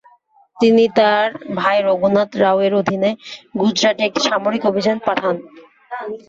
তিনি তার ভাই রঘুনাথ রাও-এর অধীনে গুজরাটে একটি সামরিক অভিযান পাঠান।